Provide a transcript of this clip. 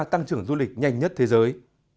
tăng trưởng du lịch nhanh nhất thế giới